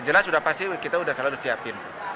jelas sudah pasti kita sudah selalu siapin